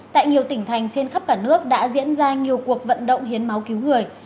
tại nhiều tỉnh thành trên khắp cả nước đã diễn ra nhiều cuộc vận động hiến máu cứu người